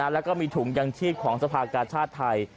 แล้วก็มีถุงยังชีพของสภากาชาติไทย